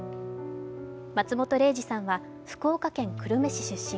松本零士さんは福岡県久留米市出身。